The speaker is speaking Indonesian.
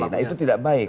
nah itu tidak baik